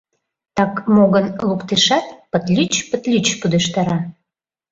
Так мо гын, луктешат, пытлӱч-пытлӱч пудештара.